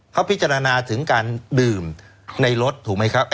เขาพิจารณาถึงการดื่มในรถถูกไหมครับ